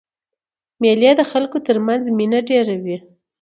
مېلې د خلکو تر منځ مینه ډېروي.